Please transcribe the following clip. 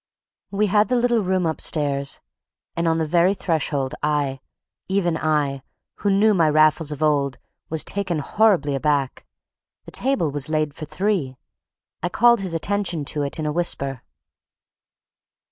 We had the little room upstairs; and on the very threshold I, even I, who knew my Raffles of old, was taken horribly aback. The table was laid for three. I called his attention to it in a whisper.